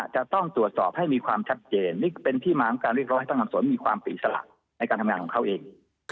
จะต้องตรวจสอบให้มีความชัดเจนนี่ก็เป็นที่มาของการเรียกร้องให้พนักงานสวนมีความอิสระในการทำงานของเขาเอง